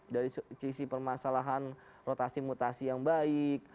dari sisi permasalahan rotasi mutasi yang baik